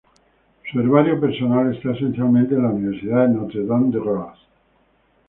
Su herbario personal está esencialmente, en la Universidad de Notre-Dame-de-Grâce.